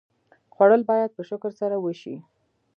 خوړل باید په شکر سره وشي